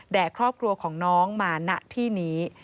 ครอบครัวของน้องมาณที่นี้